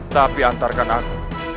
tapi antarkan aku